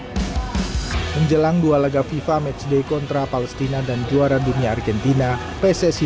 hai menjelang dua laga fifa matchday kontra palestina dan juara dunia argentina pssi